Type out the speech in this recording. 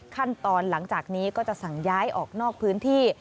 ขั้นตอนหลังจากนี้ก็จะสั่งย้ายออกนอกพื้นที่